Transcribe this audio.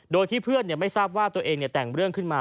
โดยที่เพื่อนไม่ทราบว่าตัวเองแต่งเรื่องขึ้นมา